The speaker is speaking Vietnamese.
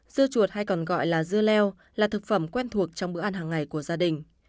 dưa chuột hay còn gọi là dưa leo là thực phẩm quen thuộc trong bữa ăn hàng ngày của gia đình